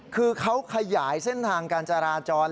คือเขาขยายเส้นทางการจราจร